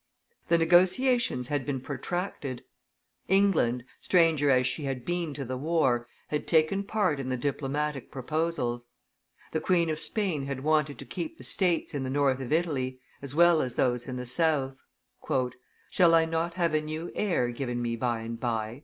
The negotiations had been protracted. England, stranger as she had been to the war, had taken part in the diplomatic proposals. The Queen of Spain had wanted to keep the states in the north of Italy, as well as those in the south. "Shall I not have a new heir given me by and by?